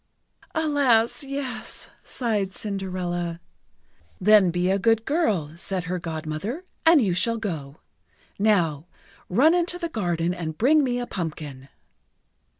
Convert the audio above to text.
"Alas! Yes!" sighed Cinderella. "Then be a good girl," said her Godmother, "and you shall go. Now, run into the garden and bring me a pumpkin."